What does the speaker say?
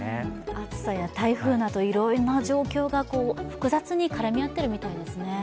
暑さや台風などいろいろな状況が複雑に絡み合っているみたいですね。